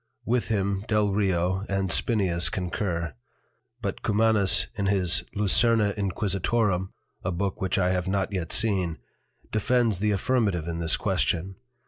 With him Delrio, and Spineus concur. But Cumanus in his Lucerna Inquisitorum (a Book which I have not yet seen) defends the Affirmative in this Question.